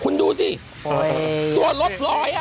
คุณดูสิตัวรถลอย